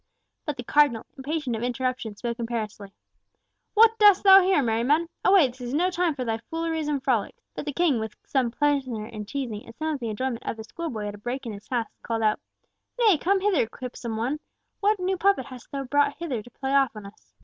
But the Cardinal, impatient of interruption, spoke imperiously, "What dost thou here, Merriman? Away, this is no time for thy fooleries and frolics." But the King, with some pleasure in teasing, and some of the enjoyment of a schoolboy at a break in his tasks, called out, "Nay, come hither, quipsome one! What new puppet hast brought hither to play off on us?"